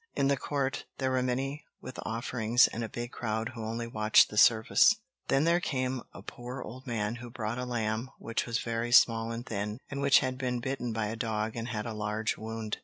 In the court there were many with offerings, and a big crowd who only watched the service. Then there came a poor old man who brought a lamb which was very small and thin, and which had been bitten by a dog and had a large wound.